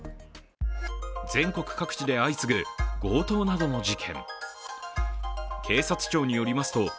全国各地で相次ぐ強盗などの事件。